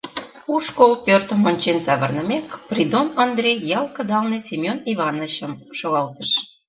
У школ пӧртым ончен савырнымек, Придон Ондрий ял кыдалне Семён Иванычым шогалтыш.